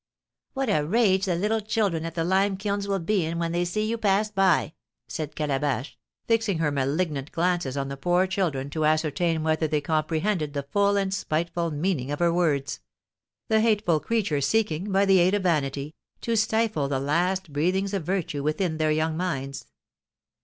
"What a rage the little children at the lime kilns will be in when they see you pass by!" said Calabash, fixing her malignant glances on the poor children to ascertain whether they comprehended the full and spiteful meaning of her words, the hateful creature seeking, by the aid of vanity, to stifle the last breathings of virtue within their young minds.